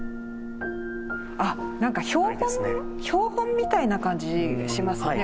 あっなんか標本標本みたいな感じしますね。